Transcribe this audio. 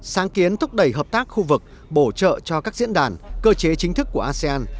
sáng kiến thúc đẩy hợp tác khu vực bổ trợ cho các diễn đàn cơ chế chính thức của asean